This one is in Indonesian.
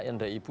ini ada ibu